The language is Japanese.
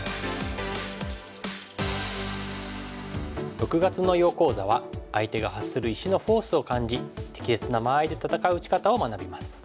６月の囲碁講座は相手が発する石のフォースを感じ適切な間合いで戦う打ち方を学びます。